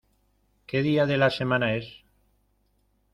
¿Qué día de la semana es?